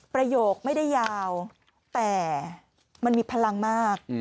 ประโยคไม่ได้ยาวแต่มันมีพลังมาก